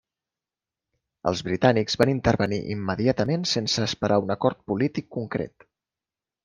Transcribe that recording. Els britànics van intervenir immediatament sense esperar un acord polític concret.